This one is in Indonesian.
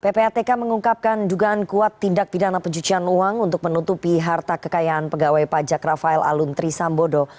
ppatk mengungkapkan dugaan kuat tindak pidana pencucian uang untuk menutupi harta kekayaan pegawai pajak rafael aluntri sambodo